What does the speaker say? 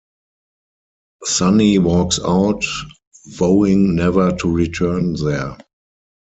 Sonny walks out, vowing never to return there.